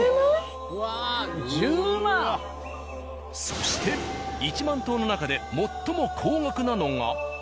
そして１万頭の中で最も高額なのが。